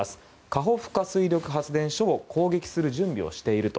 カホフカ水力発電所を攻撃する準備をしている。